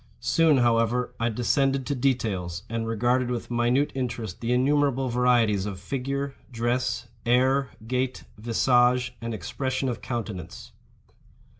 Soon, however, I descended to details, and regarded with minute interest the innumerable varieties of figure, dress, air, gait, visage, and expression of countenance.